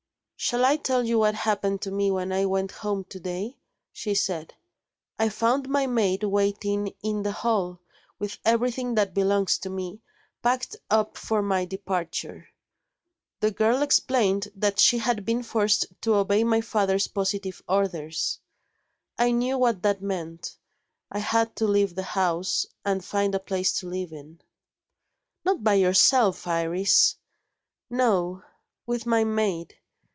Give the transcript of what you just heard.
"Shall I tell you what happened to me when I went home to day?" she said. "I found my maid waiting in the hall with everything that belongs to me, packed up for my departure. The girl explained that she had been forced to obey my father's positive orders. I knew what that meant I had to leave the house, and find a place to live in." "Not by yourself, Iris?" "No with my maid.